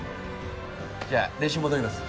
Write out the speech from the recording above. じゃあ練習戻ります。